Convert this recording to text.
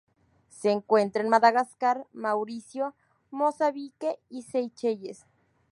Se encuentra en Madagascar, Mauricio, Mozambique y Seychelles.